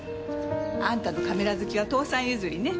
あんたのカメラ好きは父さん譲りね。